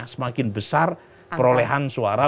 semakin besar perolehan suara